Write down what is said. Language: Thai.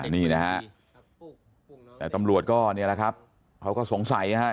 นี่นะครับแต่ตำรวจก็นี่แหละครับเขาก็สงสัยนะครับ